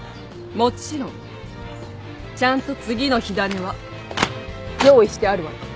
もちろんちゃんと次の火種は用意してあるわよ。